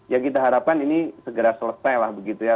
ya kita harapkan ini segera selesai lah begitu ya